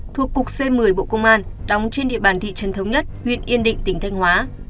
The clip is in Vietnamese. thuộc cục c một mươi bộ công an đóng trên địa bàn thị trấn thống nhất huyện yên định tỉnh thanh hóa